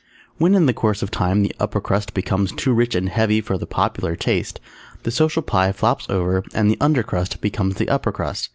_ When in the course of time the Upper Crust becomes too rich and heavy for the popular taste, the Social Pie flops over and the Under Crust becomes the Upper Crust.